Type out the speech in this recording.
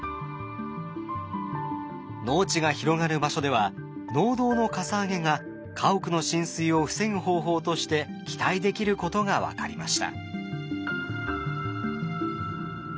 農地が広がる場所では農道のかさ上げが家屋の浸水を防ぐ方法として期待できることが分かりました。